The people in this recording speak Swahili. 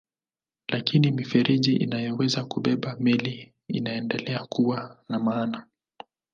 Lakini mifereji inayoweza kubeba meli inaendelea kuwa na maana.